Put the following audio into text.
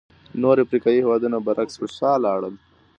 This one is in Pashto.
نور افریقایي هېوادونه برعکس پر شا لاړل.